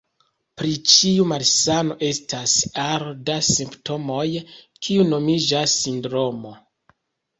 Pri ĉiu malsano estas aro da simptomoj, kiu nomiĝas sindromo.